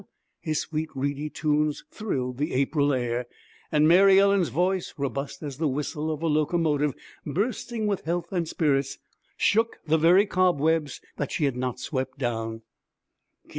His sweet reedy tones thrilled the April air. And Mary Ellen's voice, robust as the whistle of a locomotive, bursting with health and spirits, shook the very cobwebs that she had not swept down.